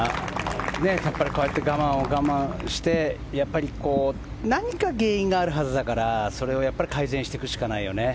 こうやって我慢して何か原因があるはずだからそれを改善していくしかないよね。